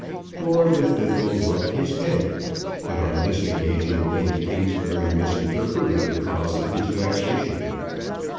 Lord Llwddythlw rubbed his head; but on this occasion Lady Kingsbury misinterpreted the cause of his vexation.